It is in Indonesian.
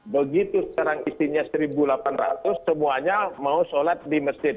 begitu sekarang istrinya satu delapan ratus semuanya mau sholat di masjid